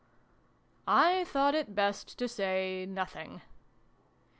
I thought it best to say nothing.